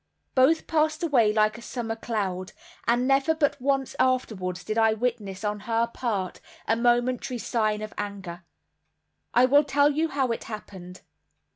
Both passed away like a summer cloud; and never but once afterwards did I witness on her part a momentary sign of anger. I will tell you how it happened.